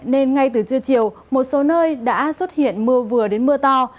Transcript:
nên ngay từ trưa chiều một số nơi đã xuất hiện mưa vừa đến mưa to